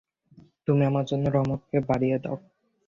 তুমি আমার জন্য রহমতকে বাড়িয়ে দাও।